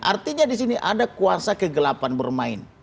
artinya disini ada kuasa kegelapan bermain